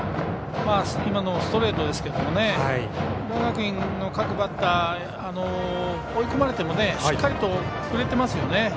ストレートですが浦和学院の各バッター追い込まれても、しっかりと振れていますよね。